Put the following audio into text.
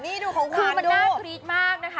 นี่ดูของคุณมาดู